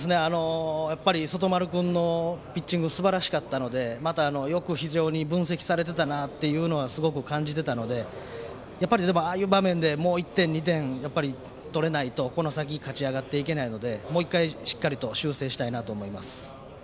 外丸君のバッティングすばらしかったので、また非常に分析されていたなというのはすごく感じていたのでやっぱりああいう場面でもう１点、２点取れないとこの先勝ち上がっていけないのでもう一回、しっかりと修正したいなと思います。